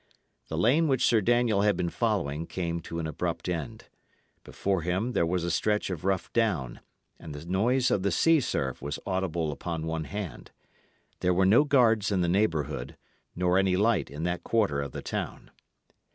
The lane which Sir Daniel had been following came to an abrupt end. Before him there was a stretch of rough down, and the noise of the sea surf was audible upon one hand. There were no guards in the neighbourhood, nor any light in that quarter of the town.